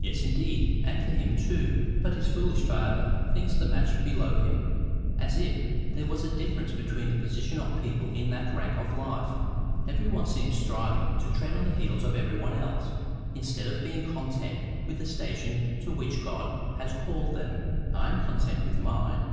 "Yes, indeed, and for him too. But his foolish father thinks the match below him, as if there was any difference between the positions of people in that rank of life! Every one seems striving to tread on the heels of every one else, instead of being content with the station to which God has called them. I am content with mine.